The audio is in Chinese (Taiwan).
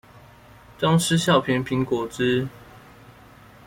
東施效顰蘋果汁